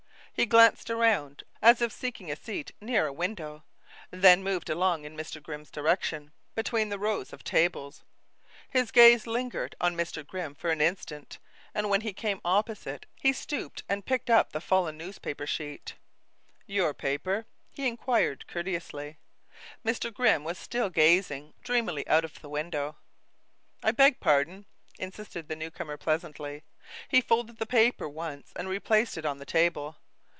He glanced around, as if seeking a seat near a window, then moved along in Mr. Grimm's direction, between the rows of tables. His gaze lingered on Mr. Grimm for an instant, and when he came opposite he stooped and picked up the fallen newspaper sheet. "Your paper?" he inquired courteously. Mr. Grimm was still gazing dreamily out of the window. "I beg pardon," insisted the new comer pleasantly. He folded the paper once and replaced it on the table.